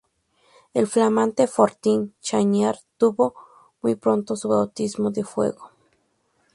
El flamante Fortín Chañar tuvo muy pronto su bautismo de fuego.